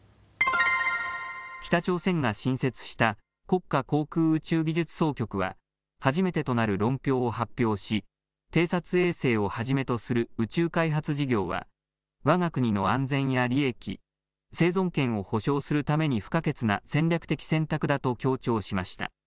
北朝鮮が新設した国家航空宇宙技術総局は初めてとなる論評を発表し偵察衛星をはじめとする宇宙開発事業はわが国の安全や利益、生存権を保証するために不可欠な戦略的選択だと強調しました。